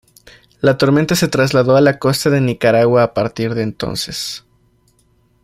La tormenta se trasladó a la costa de Nicaragua a partir de entonces.